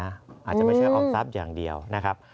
อาจจะไม่ใช่ออมทรัพย์อย่างเดียวนะครับ